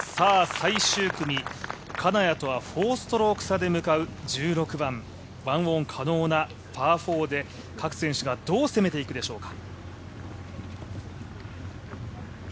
最終組、金谷とは４ストローク差で向かう１６番、１オン可能なパー４で各選手がどう攻めていくでしょうか。